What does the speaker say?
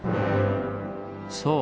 そう！